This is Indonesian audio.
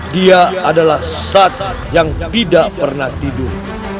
dia adalah sat yang tidak pernah tidur